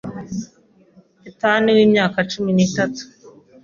Ethan w’imyaka cumi nitatu